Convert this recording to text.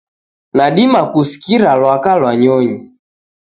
Nadima kusikira lwaka lwa nyonyi